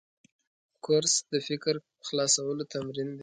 کورس د فکر خلاصولو تمرین دی.